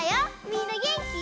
みんなげんき？